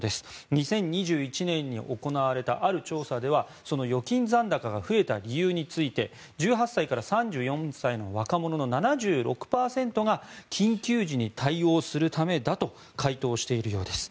２０２１年に行われたある調査ではその預金残高が増えた理由について１８歳から３４歳の若者の７６％が緊急時に対応するためだと回答しているようです。